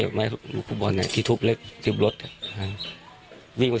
หรอกมายจีนคลุกทุบและทิบรถไหวิ่งไป